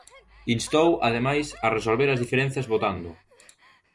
Instou, ademais, a resolver as diferenzas votando.